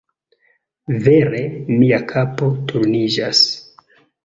Vere, mia kapo turniĝas.